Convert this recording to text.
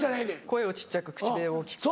声を小っちゃく口笛を大きく。